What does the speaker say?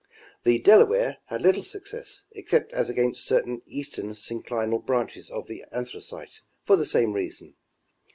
The Delaware had little success, except as against certain eastern synclinal branches of the Anthracite, for the same reason.